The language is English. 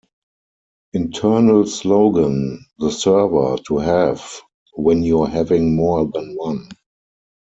Internal Slogan: The server to have when you're having more than one.